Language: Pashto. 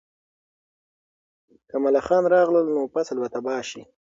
که ملخان راغلل، نو فصل به تباه شي.